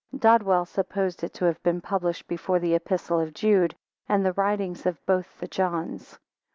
Dodwell supposed it to have been published before the Epistle of Jude, and the writings of both the Johns.